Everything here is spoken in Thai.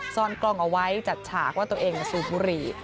ซ่อนกล้องเอาไว้จัดฉากว่าตัวเองสูบบุหรี่